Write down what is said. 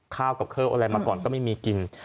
ข้าวกับข้าวอะไรมาก่อนก็ไม่มีกิน